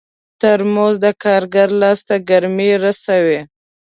ترموز د کارګر لاس ته ګرمي رسوي.